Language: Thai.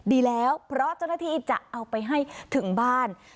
ดีแล้วเพราะเจ้าหน้าที่จะเอาไปให้ถึงบ้าน